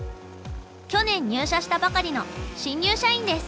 去年入社したばかりの新入社員です。